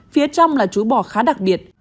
phía trong là chú bò khá đặc biệt